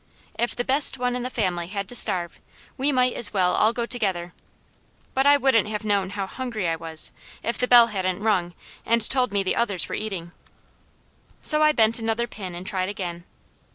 If the best one in the family had to starve, we might as well all go together; but I wouldn't have known how hungry I was, if the bell hadn't rung and told me the others were eating. So I bent another pin and tried again.